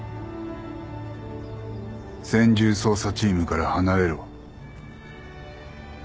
専従捜査チームから離れろ。